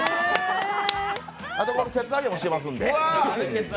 あと、ケツアゲもしてますんで。